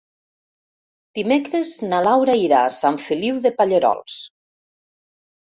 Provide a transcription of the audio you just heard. Dimecres na Laura irà a Sant Feliu de Pallerols.